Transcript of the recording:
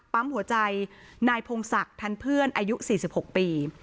ปั๊มหัวใจนายพงศักดิ์ทันเพื่อนอายุ๔๖ปี